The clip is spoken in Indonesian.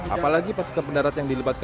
apalagi pasukan pendarat yang dilibatkan